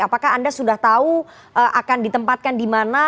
apakah anda sudah tahu akan ditempatkan di mana